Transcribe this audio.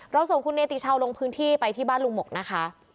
ส่งคุณเนติชาวลงพื้นที่ไปที่บ้านลุงหมกนะคะ